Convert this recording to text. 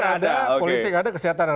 politik ada politik ada kesehatan ada